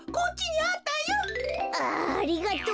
あありがとう！